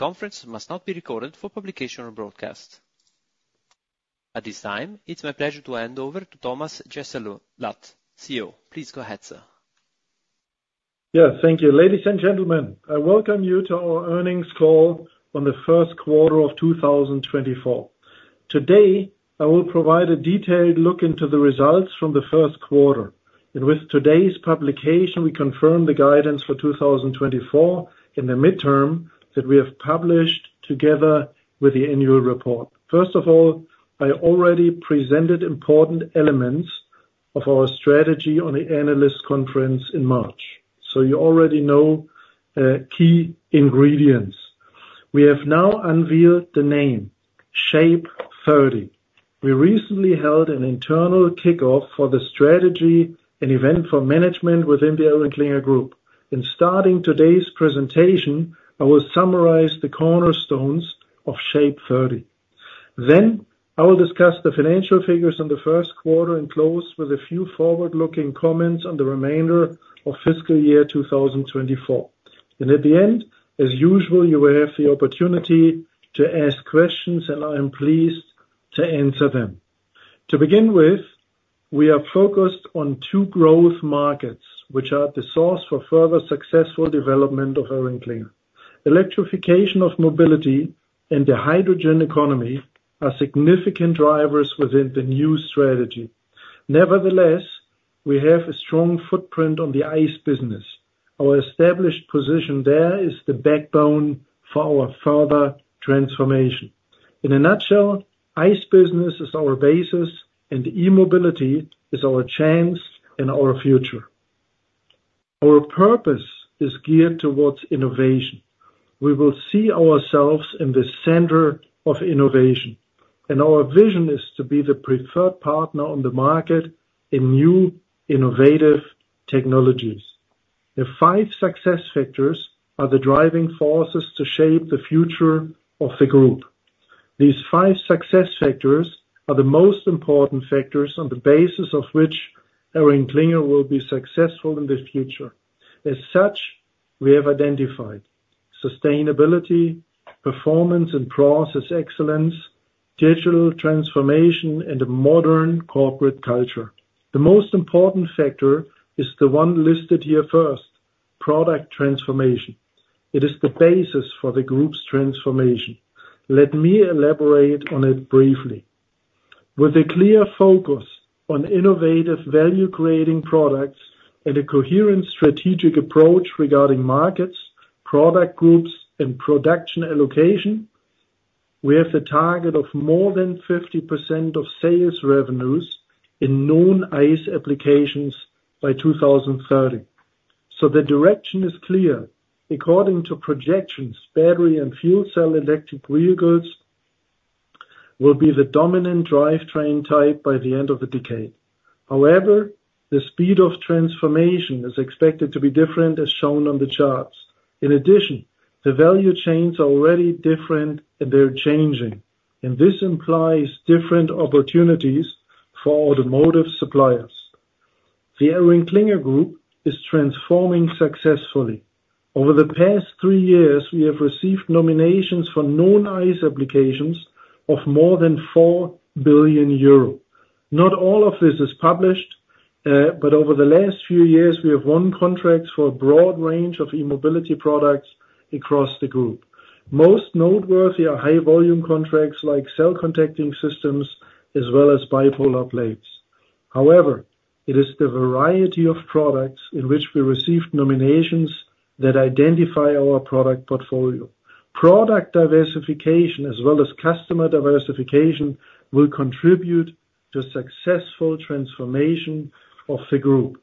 The conference must not be recorded for publication or broadcast. At this time, it's my pleasure to hand over to Thomas Jessulat, CEO. Please go ahead, sir. Yeah, thank you. Ladies and gentlemen, I welcome you to our earnings call on the Q1 of 2024. Today, I will provide a detailed look into the results from the Q1, and with today's publication, we confirm the guidance for 2024 in the midterm that we have published together with the annual report. First of all, I already presented important elements of our strategy on the analyst conference in March, so you already know key ingredients. We have now unveiled the name, SHAPE30. We recently held an internal kickoff for the strategy and event for management within the ElringKlinger Group. In starting today's presentation, I will summarize the cornerstones of SHAPE30. Then, I will discuss the financial figures on the Q1 and close with a few forward-looking comments on the remainder of fiscal year 2024. At the end, as usual, you will have the opportunity to ask questions, and I am pleased to answer them. To begin with, we are focused on two growth markets, which are the source for further successful development of ElringKlinger. Electrification of mobility and the hydrogen economy are significant drivers within the new strategy. Nevertheless, we have a strong footprint on the ICE business. Our established position there is the backbone for our further transformation. In a nutshell, ICE business is our basis, and e-mobility is our chance and our future. Our purpose is geared towards innovation. We will see ourselves in the center of innovation, and our vision is to be the preferred partner on the market in new, innovative technologies. The five success factors are the driving forces to shape the future of the group. These five success factors are the most important factors on the basis of which ElringKlinger will be successful in the future. As such, we have identified sustainability, performance, and process excellence, digital transformation, and a modern corporate culture. The most important factor is the one listed here first, product transformation. It is the basis for the group's transformation. Let me elaborate on it briefly. With a clear focus on innovative value-creating products and a coherent strategic approach regarding markets, product groups, and production allocation, we have the target of more than 50% of sales revenues in non-ICE applications by 2030. So the direction is clear. According to projections, battery and fuel cell electric vehicles will be the dominant drivetrain type by the end of the decade. However, the speed of transformation is expected to be different, as shown on the charts. In addition, the value chains are already different, and they're changing, and this implies different opportunities for automotive suppliers. The ElringKlinger Group is transforming successfully. Over the past 3 years, we have received nominations for non-ICE applications of more than 4 billion euro. Not all of this is published, but over the last few years, we have won contracts for a broad range of e-mobility products across the group. Most noteworthy are high volume contracts like cell contacting systems as well as bipolar plates. However, it is the variety of products in which we received nominations that identify our product portfolio. Product diversification as well as customer diversification will contribute to successful transformation of the group.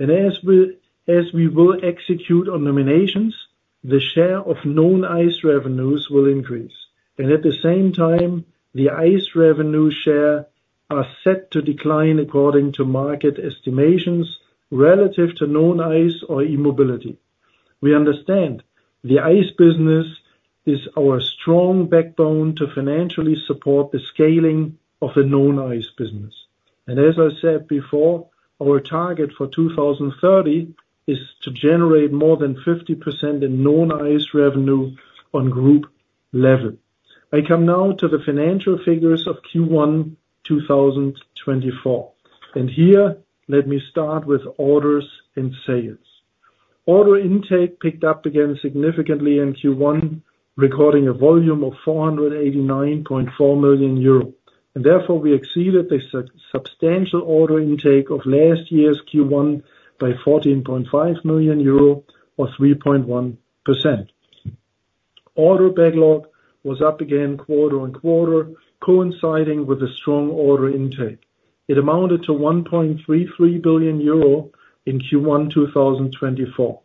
As we, as we will execute on nominations, the share of non-ICE revenues will increase, and at the same time, the ICE revenue share are set to decline according to market estimations relative to non-ICE or e-mobility. We understand the ICE business is our strong backbone to financially support the scaling of the non-ICE business. As I said before, our target for 2030 is to generate more than 50% in non-ICE revenue on group level. I come now to the financial figures of Q1 2024, and here, let me start with orders and sales. Order intake picked up again significantly in Q1, recording a volume of 489.4 million euro, and therefore we exceeded the substantial order intake of last year's Q1 by 14.5 million euro or 3.1%. Order backlog was up again quarter-on-quarter, coinciding with a strong order intake. It amounted to 1.3 billion euro in Q1 2024,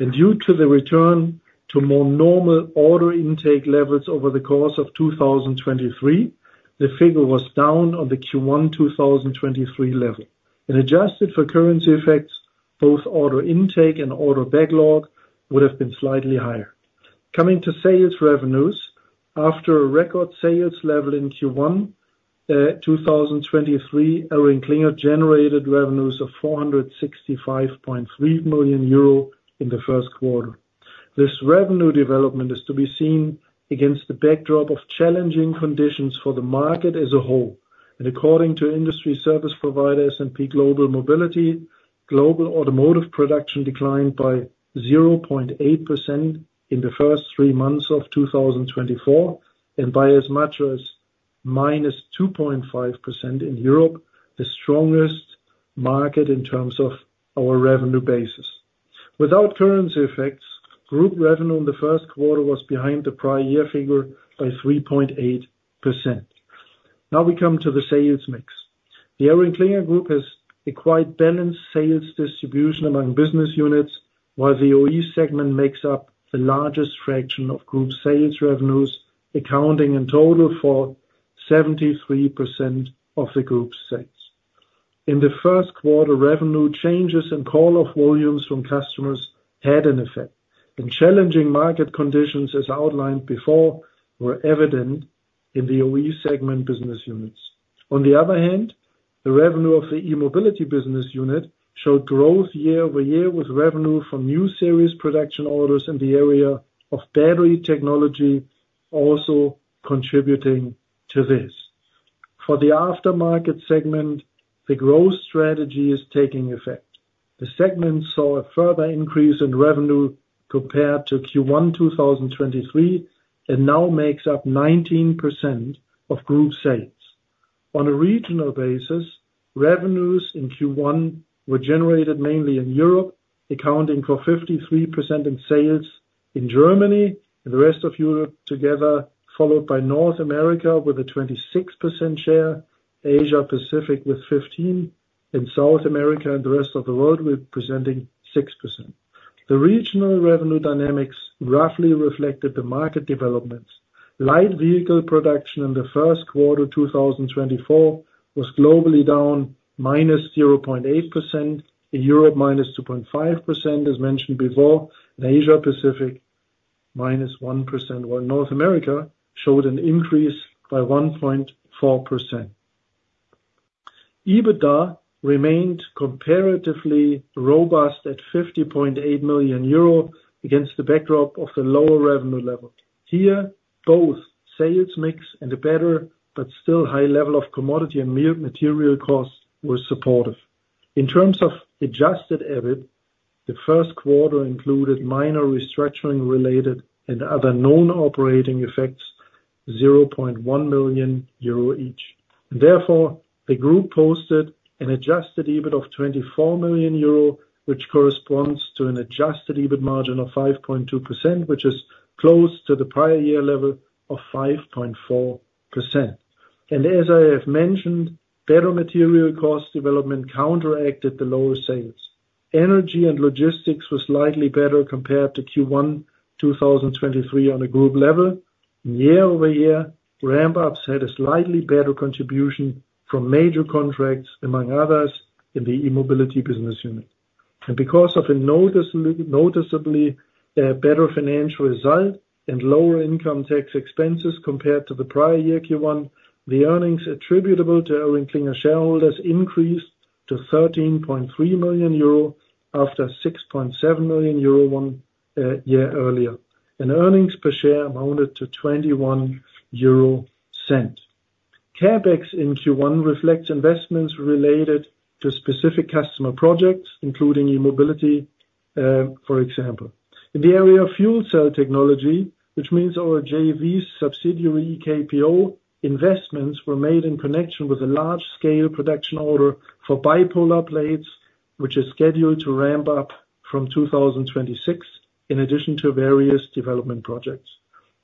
and due to the return to more normal order intake levels over the course of 2023, the figure was down on the Q1 2023 level. Adjusted for currency effects, both order intake and order backlog would have been slightly higher. Coming to sales revenues, after a record sales level in Q1 2023, ElringKlinger generated revenues of 465.3 million euro in the Q1. This revenue development is to be seen against the backdrop of challenging conditions for the market as a whole, and according to industry service provider, S&P Global Mobility, global automotive production declined by 0.8% in the first three months of 2024, and by as much as -2.5% in Europe, the strongest market in terms of our revenue basis. Without currency effects, group revenue in the Q1 was behind the prior year figure by 3.8%. Now we come to the sales mix. The ElringKlinger Group has a quite balanced sales distribution among business units, while the OE segment makes up the largest fraction of group sales revenues, accounting in total for 73% of the group's sales. In the Q1, revenue changes and call-off volumes from customers had an effect, and challenging market conditions, as outlined before, were evident in the OE segment business units. On the other hand, the revenue of the e-mobility business unit showed growth year-over-year, with revenue from new series production orders in the area of battery technology also contributing to this. For the aftermarket segment, the growth strategy is taking effect. The segment saw a further increase in revenue compared to Q1 2023, and now makes up 19% of group sales. On a regional basis, revenues in Q1 were generated mainly in Europe, accounting for 53% in sales in Germany, and the rest of Europe together, followed by North America with a 26% share, Asia Pacific with 15%, and South America and the rest of the world, representing 6%. The regional revenue dynamics roughly reflected the market developments. Light vehicle production in the Q1 2024 was globally down -0.8%, in Europe -2.5%, as mentioned before, and Asia Pacific -1%, while North America showed an increase by 1.4%. EBITDA remained comparatively robust at 50.8 million euro against the backdrop of the lower revenue level. Here, both sales mix and a better, but still high level of commodity and material costs were supportive. In terms of adjusted EBIT, the Q1 included minor restructuring related and other known operating effects, 0.1 million euro each. Therefore, the group posted an adjusted EBIT of 24 million euro, which corresponds to an adjusted EBIT margin of 5.2%, which is close to the prior year level of 5.4%. And as I have mentioned, better material cost development counteracted the lower sales. Energy and logistics were slightly better compared to Q1 2023 on a group level. Year-over-year, ramp-ups had a slightly better contribution from major contracts, among others, in the E-mobility business unit. And because of a noticeably better financial result and lower income tax expenses compared to the prior year, Q1, the earnings attributable to ElringKlinger shareholders increased to 13.3 million euro, after 6.7 million euro one year earlier. And earnings per share amounted to 0.21 EUR. CapEx in Q1 reflects investments related to specific customer projects, including E-mobility, for example. In the area of fuel cell technology, which means our JV subsidiary, EKPO, investments were made in connection with a large-scale production order for bipolar plates, which is scheduled to ramp up from 2026, in addition to various development projects.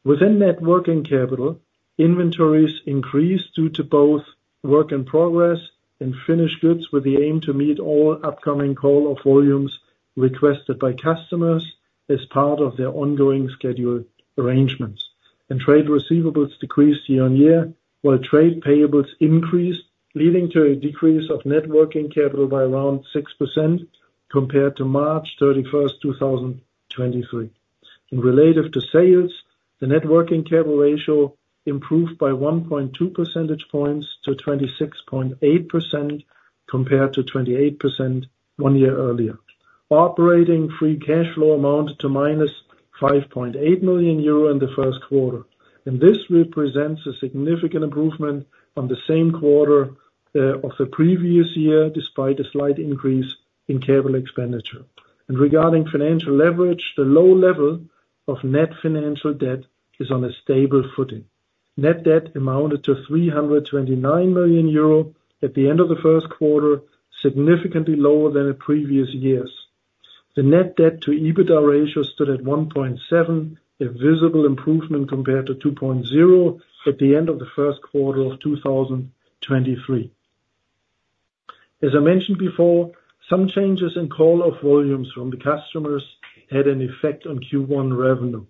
Within net working capital, inventories increased due to both work in progress and finished goods, with the aim to meet all upcoming call of volumes requested by customers as part of their ongoing schedule arrangements. Trade receivables decreased year-on-year, while trade payables increased, leading to a decrease of net working capital by around 6% compared to March 31, 2023. In relative to sales, the net working capital ratio improved by 1.2 percentage points to 26.8%, compared to 28% one year earlier. Operating free cash flow amounted to -5.8 million euro in the Q1, and this represents a significant improvement on the same quarter of the previous year, despite a slight increase in capital expenditure. Regarding financial leverage, the low level of net financial debt is on a stable footing. Net debt amounted to 329 million euro at the end of the Q1, significantly lower than the previous years. The net debt to EBITDA ratio stood at 1.7, a visible improvement compared to 2.0 at the end of the Q1 of 2023. As I mentioned before, some changes in call-off volumes from the customers had an effect on Q1 revenue.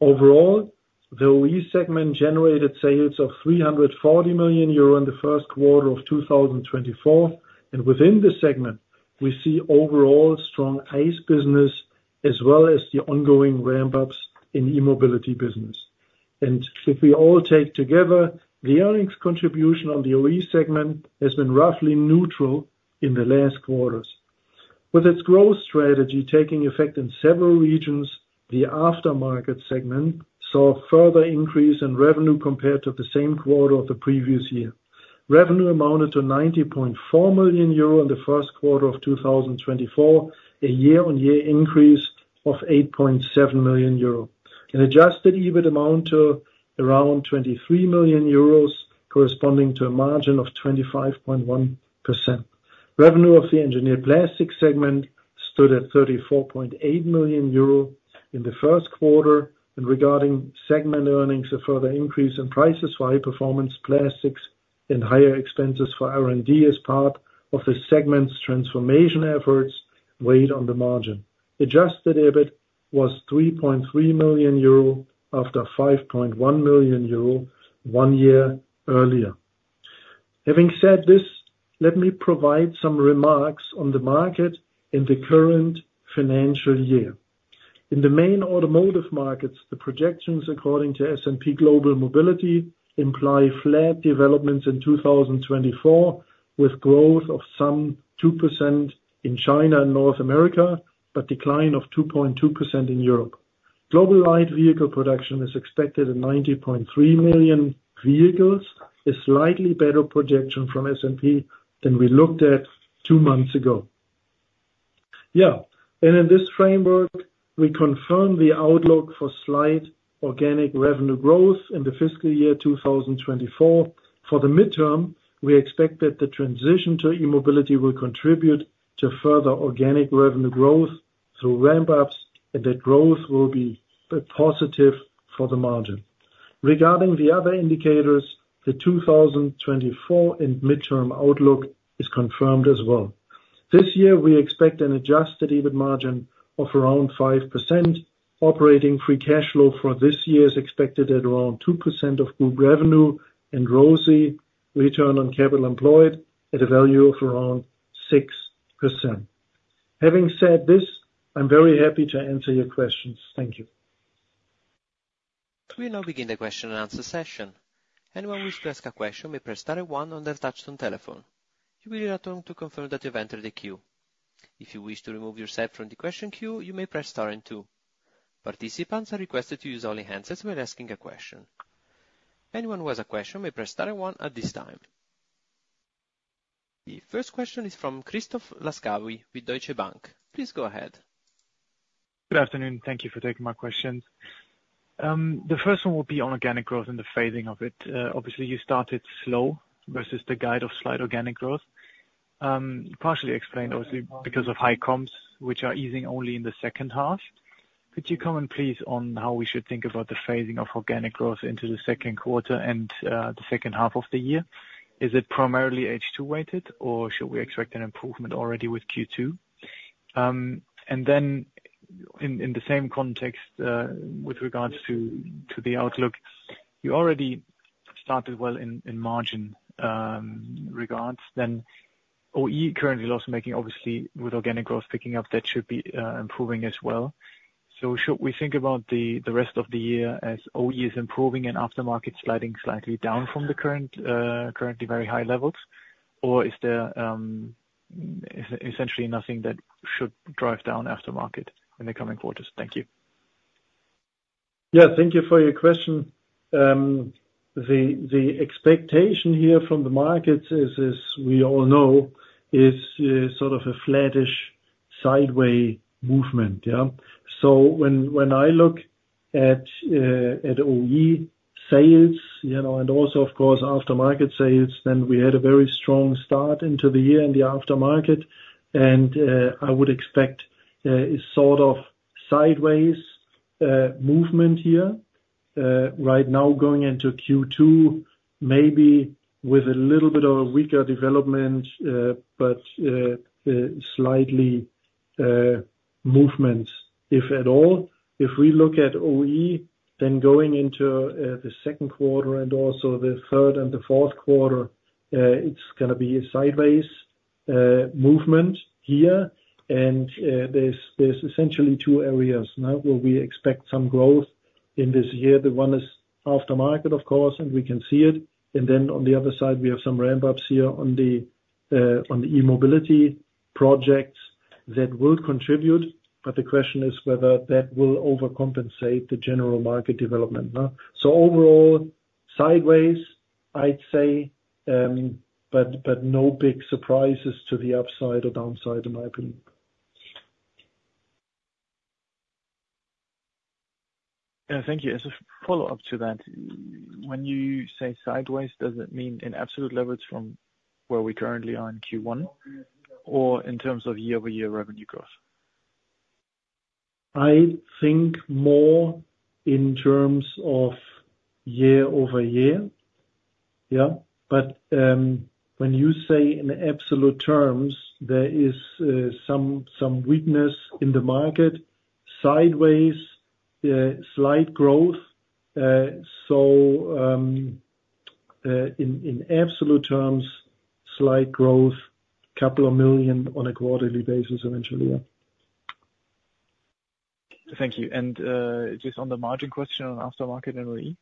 Overall, the OE segment generated sales of 340 million euro in the Q1 of 2024, and within the segment, we see overall strong ICE business as well as the ongoing ramp ups in e-mobility business. If we all take together, the earnings contribution on the OE segment has been roughly neutral in the last quarters. With its growth strategy taking effect in several regions, the aftermarket segment saw a further increase in revenue compared to the same quarter of the previous year. Revenue amounted to 90.4 million euro in the Q1 of 2024, a year-on-year increase of 8.7 million euro. An adjusted EBIT amount to around 23 million euros, corresponding to a margin of 25.1%. Revenue of the engineered plastics segment stood at 34.8 million euro in the Q1, and regarding segment earnings, a further increase in prices for high performance plastics and higher expenses for R&D as part of the segment's transformation efforts weighed on the margin. Adjusted EBIT was 3.3 million euro, after 5.1 million euro one year earlier. Having said this, let me provide some remarks on the market in the current financial year. In the main automotive markets, the projections, according to S&P Global Mobility, imply flat developments in 2024, with growth of some 2% in China and North America, but decline of 2.2% in Europe. Global light vehicle production is expected at 90.3 million vehicles, a slightly better projection from S&P than we looked at two months ago. Yeah, and in this framework, we confirm the outlook for slight organic revenue growth in the fiscal year 2024. For the midterm, we expect that the transition to e-mobility will contribute to further organic revenue growth through ramp ups, and that growth will be, positive for the margin. Regarding the other indicators, the 2024 and midterm outlook is confirmed as well. This year, we expect an adjusted EBIT margin of around 5%. Operating free cash flow for this year is expected at around 2% of group revenue and ROCE, return on capital employed, at a value of around 6%. Having said this, I'm very happy to answer your questions. Thank you. We now begin the question and answer session. Anyone who wishes to ask a question may press star and one on their touch-tone telephone. You will hear a tone to confirm that you've entered the queue. If you wish to remove yourself from the question queue, you may press star and two. Participants are requested to use only handsets when asking a question. Anyone who has a question may press star and one at this time. The first question is from Christoph Laskawi with Deutsche Bank. Please go ahead. Good afternoon. Thank you for taking my questions. The first one will be on organic growth and the phasing of it. Obviously, you started slow versus the guide of slight organic growth, partially explained, obviously, because of high comps, which are easing only in the second half. Could you comment, please, on how we should think about the phasing of organic growth into the Q2 and the second half of the year? Is it primarily H2 weighted, or should we expect an improvement already with Q2? And then in the same context, with regards to the outlook, you already started well in margin regards, then OE currently loss making, obviously with organic growth picking up, that should be improving as well. So should we think about the rest of the year as OE is improving and aftermarket sliding slightly down from the currently very high levels? Or is there essentially nothing that should drive down aftermarket in the coming quarters? Thank you. Yeah, thank you for your question. The expectation here from the markets is, as we all know, is sort of a flattish, sideways movement, yeah? So when I look at OE sales, you know, and also, of course, aftermarket sales, then we had a very strong start into the year in the aftermarket, and I would expect a sort of sideways movement here. Right now, going into Q2, maybe with a little bit of a weaker development, but slightly movements, if at all. If we look at OE, then going into the Q2 and also the third and the Q4, it's gonna be a sideways movement here. There's essentially two areas now where we expect some growth in this year. The one is aftermarket, of course, and we can see it. And then on the other side, we have some ramp ups here on the e-mobility projects that will contribute, but the question is whether that will overcompensate the general market development, huh? So overall, sideways, I'd say, but no big surprises to the upside or downside, in my opinion. Yeah, thank you. As a follow-up to that, when you say sideways, does it mean in absolute levels from where we currently are in Q1, or in terms of year-over-year revenue growth? I think more in terms of year-over-year. Yeah, but when you say in absolute terms, there is some weakness in the market, sideways, slight growth. So in absolute terms, slight growth, couple of million EUR on a quarterly basis, eventually, yeah. Thank you. And, just on the margin question on aftermarket and OE?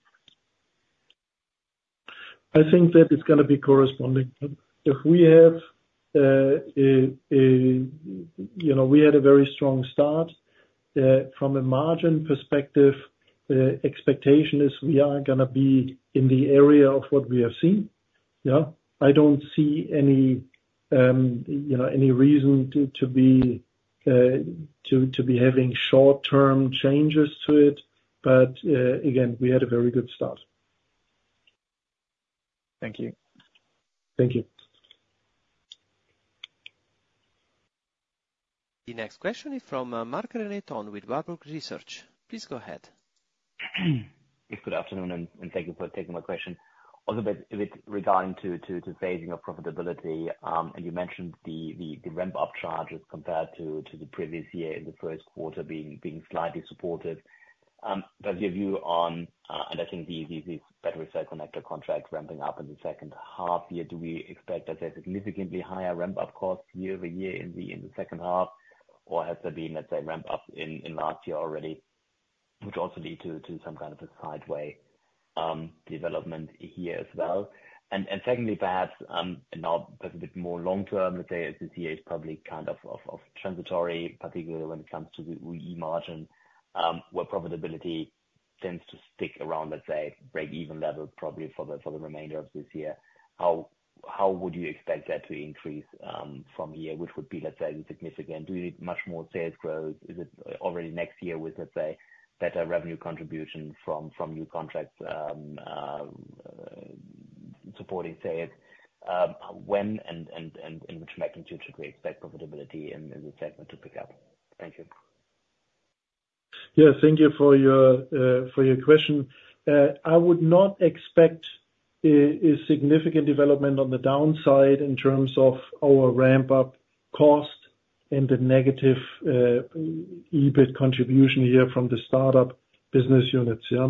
I think that is gonna be corresponding. If we have, you know, we had a very strong start. From a margin perspective, the expectation is we are gonna be in the area of what we have seen. Yeah. I don't see any, you know, any reason to be having short-term changes to it, but again, we had a very good start. Thank you. Thank you. The next question is from Marc-René Tonn with Warburg Research. Please go ahead. Yes, good afternoon, and thank you for taking my question. Also, but with regard to phasing of profitability, and you mentioned the ramp-up charges compared to the previous year in the Q1 being slightly supported. Does your view on and I think the battery cell connector contract ramping up in the second half year, do we expect that there's significantly higher ramp-up costs year-over-year in the second half? Or has there been, let's say, ramp-up in last year already, which also lead to some kind of a sideways development here as well? And secondly, perhaps, and now a bit more long term, let's say, as this year is probably kind of transitory, particularly when it comes to the OE margin, where profitability tends to stick around, let's say, breakeven level, probably for the remainder of this year. How would you expect that to increase, from here, which would be, let's say, significant? Do you need much more sales growth? Is it already next year with, let's say, better revenue contribution from new contracts, supporting sales? When and which magnitude should we expect profitability in the segment to pick up? Thank you. Yeah, thank you for your, for your question. I would not expect a, a significant development on the downside in terms of our ramp-up cost and the negative, EBIT contribution here from the start-up business units, yeah?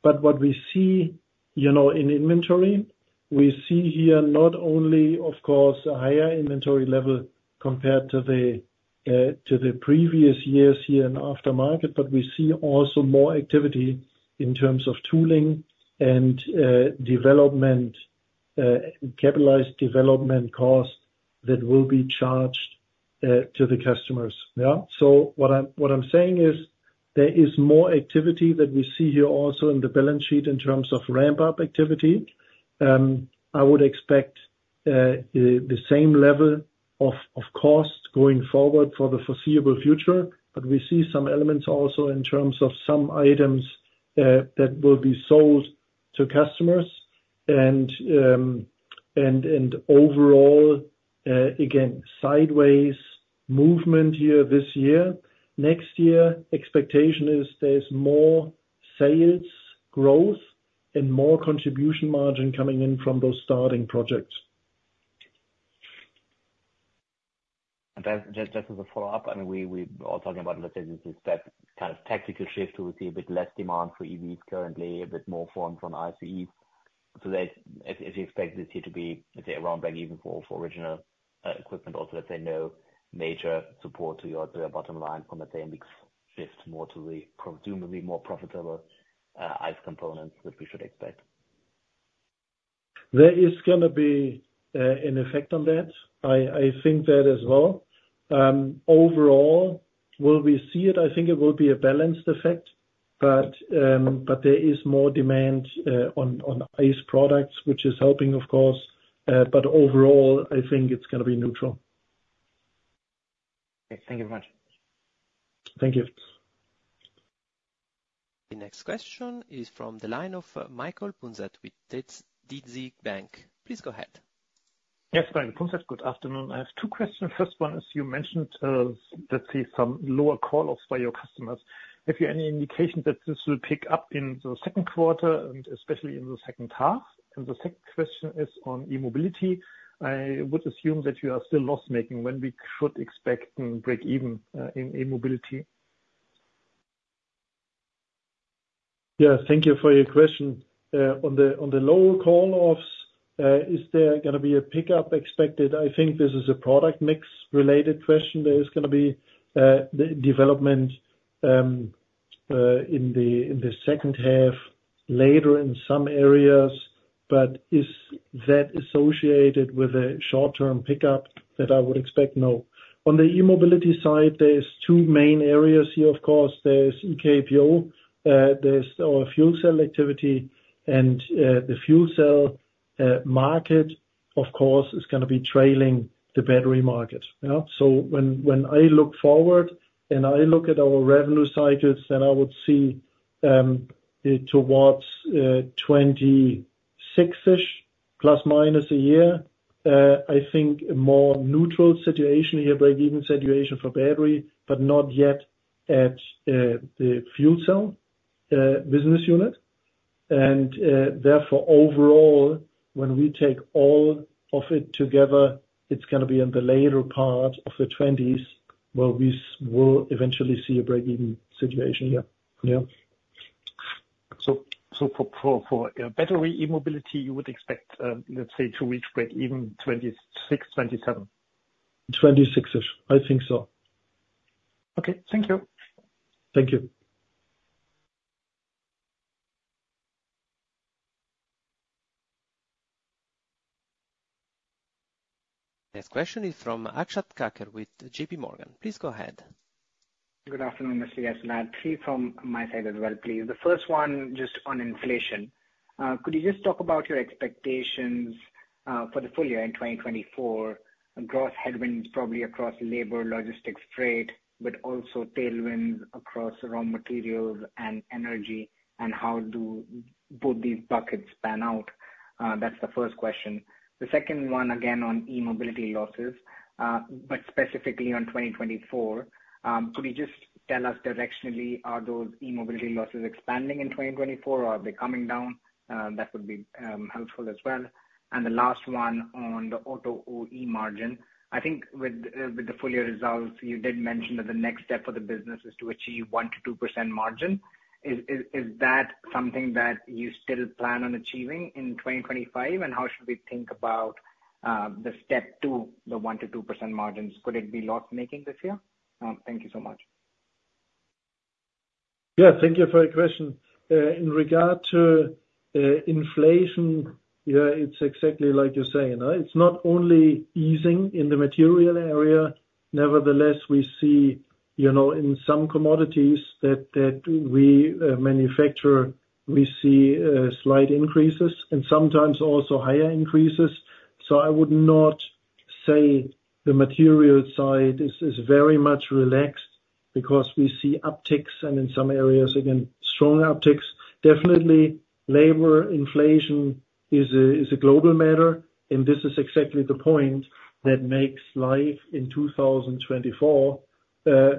But what we see, you know, in inventory, we see here not only, of course, a higher inventory level compared to the, to the previous years here in aftermarket, but we see also more activity in terms of tooling and, development, capitalized development costs that will be charged, to the customers, yeah? So what I'm, what I'm saying is, there is more activity that we see here also in the balance sheet in terms of ramp-up activity. I would expect the same level of cost going forward for the foreseeable future, but we see some elements also in terms of some items that will be sold to customers. And overall, again, sideways movement here this year. Next year, expectation is there's more sales growth and more contribution margin coming in from those starting projects. And then just, just as a follow-up, I mean, we, we are talking about, let's say, this, that kind of tactical shift, we see a bit less demand for EVs currently, a bit more from, from ICE. So that, as, as you expect this year to be, let's say, around breakeven for, for original equipment, also, let's say, no major support to your, to your bottom line from, let's say, a mix shift more to the pro- presumably more profitable ICE components that we should expect. There is gonna be an effect on that. I think that as well. Overall, will we see it? I think it will be a balanced effect, but there is more demand on ICE products, which is helping, of course. But overall, I think it's gonna be neutral. Okay. Thank you very much. Thank you. The next question is from the line of Michael Punzet with DZ Bank. Please go ahead. Yes, Michael Punzet. Good afternoon. I have two questions. First one, as you mentioned, let's say some lower call-offs by your customers. Have you any indication that this will pick up in the Q2, and especially in the second half? The second question is on E-mobility. I would assume that you are still loss-making, when we should expect breakeven in E-mobility? Yeah, thank you for your question. On the lower call-offs, is there gonna be a pickup expected? I think this is a product mix related question. There is gonna be the development in the second half, later in some areas. But is that associated with a short-term pickup? That I would expect, no. On the e-mobility side, there is two main areas here, of course. There's EKPO, there's our fuel cell activity, and the fuel cell market, of course, is gonna be trailing the battery market, yeah? So when I look forward and I look at our revenue cycles, then I would see it towards 2026-ish, plus, minus a year. I think a more neutral situation here, breakeven situation for battery, but not yet at the fuel cell business unit. Therefore, overall, when we take all of it together, it's gonna be in the later part of the twenties, where we will eventually see a break-even situation here. Yeah. So, for battery e-mobility, you would expect, let's say, to reach break-even 2026-2027? 26-ish. I think so. Okay. Thank you. Thank you. Next question is from Akshat Kaker with JP Morgan. Please go ahead. Good afternoon, Mr. Gassenrath. Three from my side as well, please. The first one, just on inflation. Could you just talk about your expectations for the full year in 2024, and gross headwinds, probably across labor, logistics, freight, but also tailwinds across raw materials and energy, and how do both these buckets pan out? That's the first question. The second one, again, on e-mobility losses, but specifically on 2024. Could you just tell us directionally, are those e-mobility losses expanding in 2024, or are they coming down? That would be helpful as well. And the last one on the auto OE margin. I think with the full year results, you did mention that the next step for the business is to achieve 1%-2% margin. Is that something that you still plan on achieving in 2025? And how should we think about the step to the 1%-2% margins? Could it be loss-making this year? Thank you so much. Yeah, thank you for your question. In regard to inflation, yeah, it's exactly like you're saying, it's not only easing in the material area. Nevertheless, we see, you know, in some commodities that we manufacture, we see slight increases, and sometimes also higher increases. So I would not say the material side is very much relaxed, because we see upticks, and in some areas, again, strong upticks. Definitely, labor inflation is a global matter, and this is exactly the point that makes life in 2024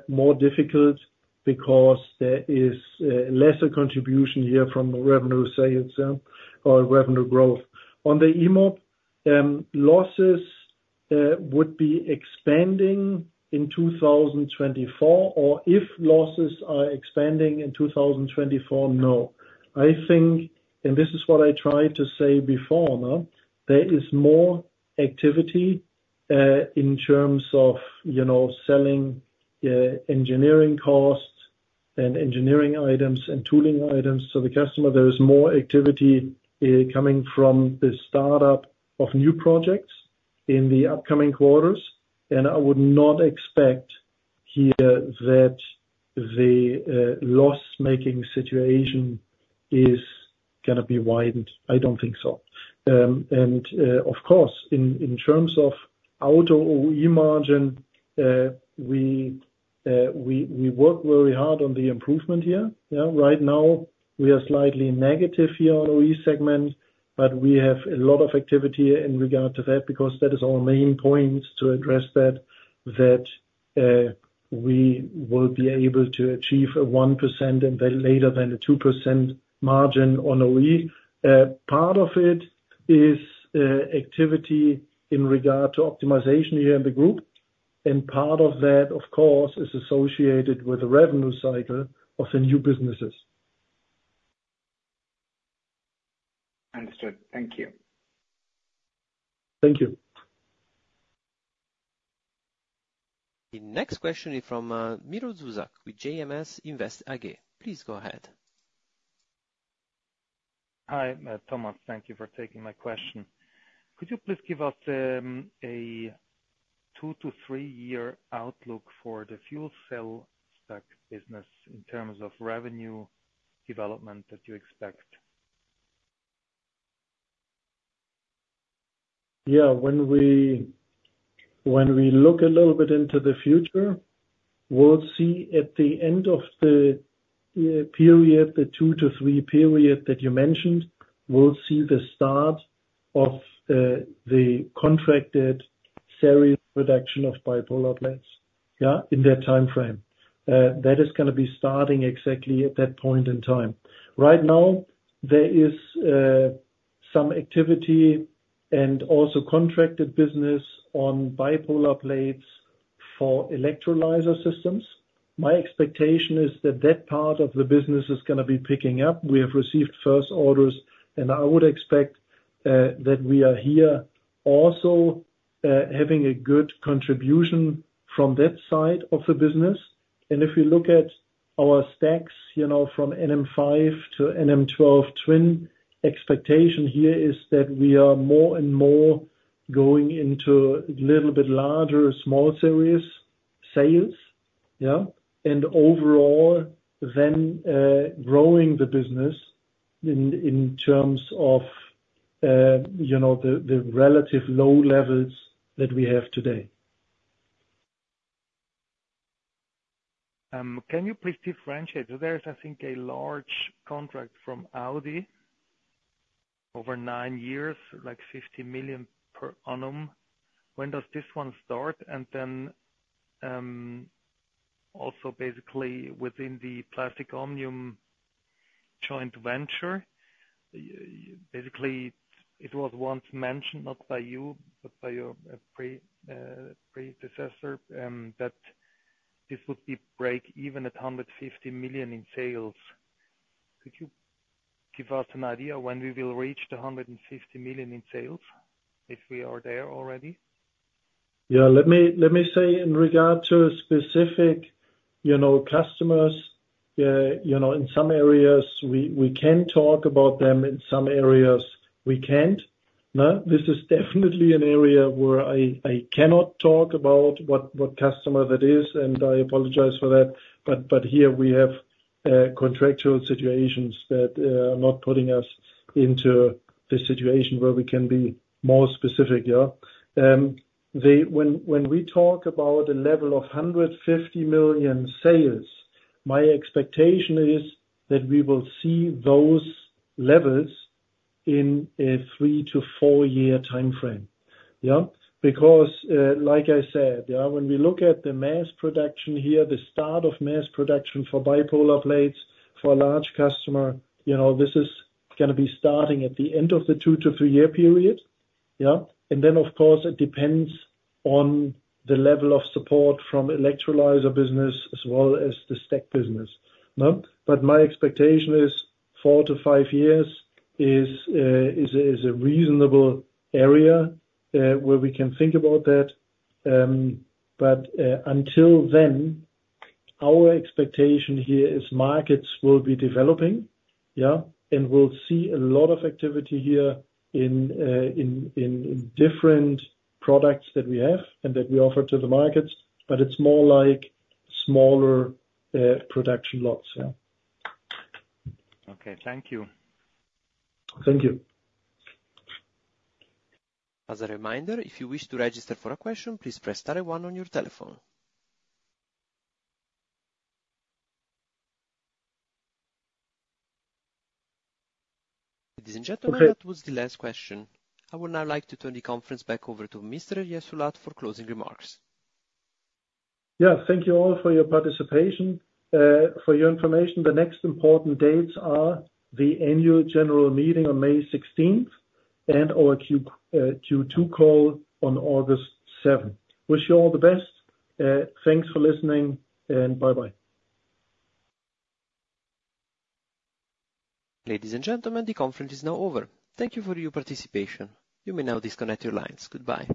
more difficult because there is lesser contribution here from the revenue side itself or revenue growth. On the e-mob losses would be expanding in 2024, or if losses are expanding in 2024, no. I think, and this is what I tried to say before now, there is more activity, in terms of, you know, selling, engineering costs and engineering items and tooling items to the customer. There is more activity, coming from the startup of new projects in the upcoming quarters, and I would not expect here that the loss-making situation is gonna be widened. I don't think so. And, of course, in terms of auto OE margin, we work very hard on the improvement here. Yeah, right now, we are slightly negative here on OE segment, but we have a lot of activity in regard to that, because that is our main point, to address that, we will be able to achieve a 1% and then later than a 2% margin on OE. Part of it is activity in regard to optimization here in the group, and part of that, of course, is associated with the revenue cycle of the new businesses. Understood. Thank you. Thank you. The next question is from Miro Zuzak with JMS Invest AG. Please go ahead. Hi, Thomas, thank you for taking my question. Could you please give us a 2- to 3-year outlook for the fuel cell stack business in terms of revenue development that you expect? Yeah, when we, when we look a little bit into the future, we'll see at the end of the period, the 2-3 period that you mentioned, we'll see the start of the contracted series production of bipolar plates, yeah, in that timeframe. That is gonna be starting exactly at that point in time. Right now, there is some activity and also contracted business on bipolar plates for electrolyzer systems. My expectation is that that part of the business is gonna be picking up. We have received first orders, and I would expect that we are here also having a good contribution from that side of the business. And if you look at our stacks, you know, from NM5 to NM12 Twin, expectation here is that we are more and more going into little bit larger, small series sales, yeah? Overall, then, growing the business in terms of, you know, the relative low levels that we have today. Can you please differentiate? There is, I think, a large contract from Audi over 9 years, like 50 million per annum. When does this one start? And then, also, basically, within the Plastic Omnium joint venture, basically, it was once mentioned, not by you, but by your predecessor, that this would be break even at 150 million in sales. Could you give us an idea when we will reach the 150 million in sales, if we are there already? Yeah, let me say in regard to specific, you know, customers, you know, in some areas, we can talk about them, in some areas, we can't. No, this is definitely an area where I cannot talk about what customer that is, and I apologize for that. But here we have contractual situations that are not putting us into a situation where we can be more specific, yeah? When we talk about a level of 150 million sales, my expectation is that we will see those levels in a 3-4-year timeframe, yeah. Because, like I said, yeah, when we look at the mass production here, the start of mass production for bipolar plates, for a large customer, you know, this is gonna be starting at the end of the 2-3-year period, yeah? And then, of course, it depends on the level of support from electrolyzer business as well as the stack business, no? But my expectation is 4-5 years is a reasonable area where we can think about that. But until then, our expectation here is markets will be developing, yeah, and we'll see a lot of activity here in different products that we have and that we offer to the markets, but it's more like smaller production lots, yeah. Okay, thank you. Thank you. As a reminder, if you wish to register for a question, please press star one on your telephone. Ladies and gentlemen- Okay. That was the last question. I would now like to turn the conference back over to Mr. Jessulat for closing remarks. Yeah, thank you all for your participation. For your information, the next important dates are the annual general meeting on May sixteenth and our Q2 call on August seventh. Wish you all the best. Thanks for listening, and bye-bye. Ladies and gentlemen, the conference is now over. Thank you for your participation. You may now disconnect your lines. Goodbye.